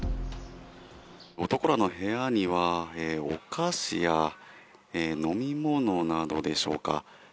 男らの部屋にはお菓子や飲み物などでしょうか。